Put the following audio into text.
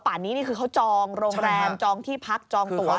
ป่านนี้นี่คือเขาจองโรงแรมจองที่พักจองตัวอะไรแล้วใช่ไหมคะ